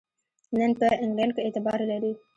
نن په انګلینډ کې اعتبار لري.